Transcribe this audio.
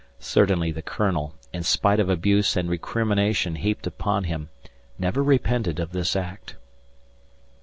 Certainly the Colonel, in spite of abuse and recrimination heaped upon him, never repented of this act.